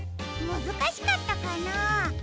むずかしかったかな？